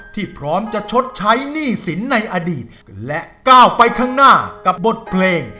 พร้อมจะชดใช้หนี้สินในอดีตและก้าวไปข้างหน้ากับบทเพลง